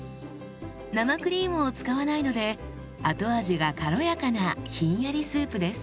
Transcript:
生クリームを使わないので後味が軽やかなひんやりスープです。